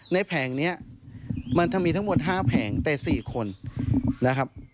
แผงนี้มันจะมีทั้งหมด๕แผงแต่๔คนนะครับ